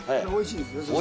おいしいですよ。